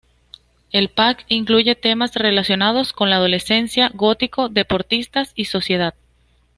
El pack incluye temas relacionados con la adolescencia: "Gótico", "Deportistas" y "Sociedad".